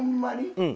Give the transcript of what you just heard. うん。